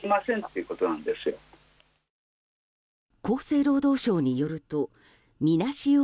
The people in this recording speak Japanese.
厚生労働省によるとみなし